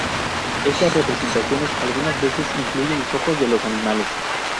Estas representaciones algunas veces incluyen los ojos de los animales.